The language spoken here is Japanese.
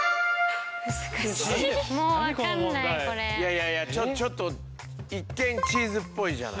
いやいやちょっと一見チーズっぽいじゃない。